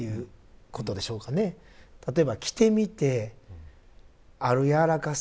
例えば着てみてある柔らかさ。